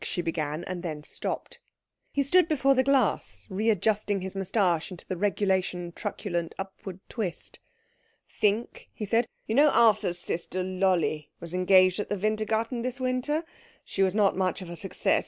she began, and then stopped. He stood before the glass readjusting his moustache into the regulation truculent upward twist. "Think?" he said. "You know Arthur's sister Lolli was engaged at the Wintergarten this winter. She was not much of a success.